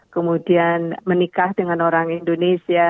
kemudian menikah dengan orang indonesia